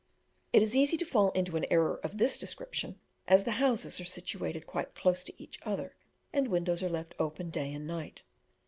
It is easy to fall into an error of this description, as the houses are situated quite close to each other, and windows are left open day and night.